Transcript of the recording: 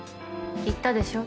言ったでしょ？